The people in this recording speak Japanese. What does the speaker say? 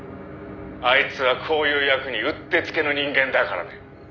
「あいつはこういう役にうってつけの人間だからね」